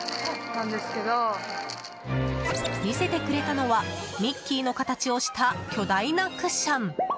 見せてくれたのはミッキーの形をした巨大なクッション。